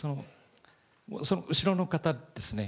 その後ろの方ですね。